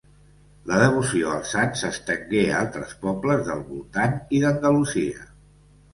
La devoció als sants s'estengué a altres pobles del voltant i d'Andalusia.